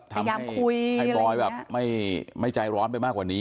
พยายามคุยอะไรอย่างเงี้ยให้บอยแบบไม่ไม่ใจร้อนไปมากกว่านี้